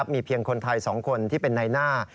มีเพียงคนไทยสองคนที่เป็นนายน่า